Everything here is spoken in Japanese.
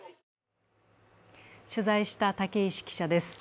取材した武石記者です。